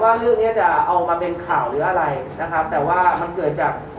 ว่าเรื่องเนี้ยจะเอามาเป็นข่าวหรืออะไรนะครับแต่ว่ามันเกิดจาก